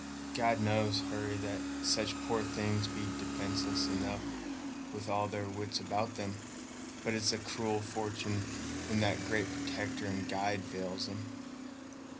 God knows, Hurry, that such poor things be defenceless enough with all their wits about 'em; but it's a cruel fortun' when that great protector and guide fails 'em."